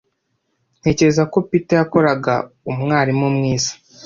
Ntekereza ko Peter yakora umwarimu mwiza.